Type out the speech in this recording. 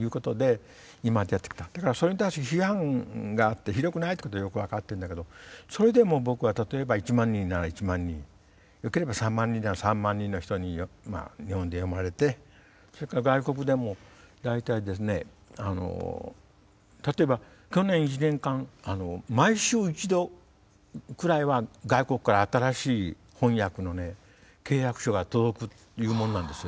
だからそれに対して批判があって広くないっていうことはよく分かってるんだけどそれでも僕は例えば１万人なら１万人よければ３万人なら３万人の人に日本で読まれてそれから外国でも大体ですね例えば去年１年間毎週一度くらいは外国から新しい翻訳の契約書が届くっていうもんなんですよ。